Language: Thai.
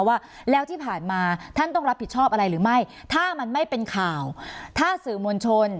ว่าแล้วที่ผ่านมาท่านต้องรับผิดชอบอะไรหรือไม่ถ้ามันไม่เป็นข่าวถ้าสื่อมวลชน